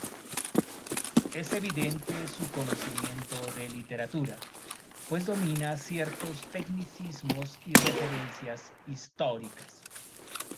Es evidente su conocimiento de literatura, pues domina ciertos tecnicismos y referencias históricas.